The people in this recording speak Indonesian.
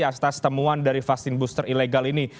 atas temuan dari vaksin booster ilegal ini